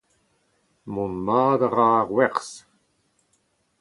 mont mat a ra ar werzh